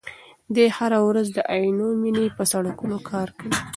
دی هره ورځ د عینومېنې په سړکونو کار کوي.